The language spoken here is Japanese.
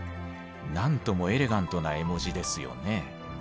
なんともエレガントな絵文字ですよね。